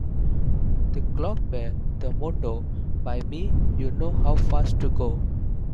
The clock bears the motto "By me you know how fast to go".